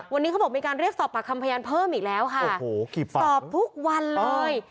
วันนี้เขาบอกมีการเรียกสอบปากคำพยานเพิ่มอีกแล้วค่ะโอ้โหสอบทุกวันเลย